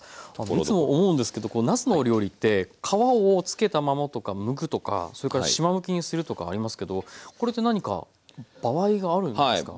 いつも思うんですけどなすのお料理って皮をつけたままとかむくとかそれからしまむきにするとかありますけどこれって何か場合があるんですか？